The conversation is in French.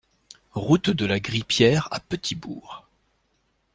Route de la Grippière à Petit-Bourg